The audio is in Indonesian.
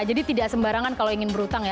jadi tidak sembarangan kalau ingin berhutang ya